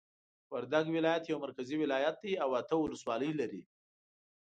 وردګ ولایت یو مرکزی ولایت دی او اته ولسوالۍ لری